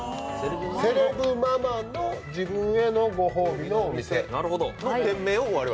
セレブママの自分へのごほうびのお店。